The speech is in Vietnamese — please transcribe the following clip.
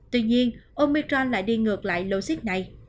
tuy nhiên omicron lại đi ngược lại lô xích này